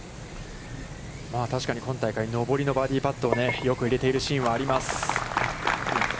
確かに今大会、上りのバーディーパットをよく入れているシーンはあります。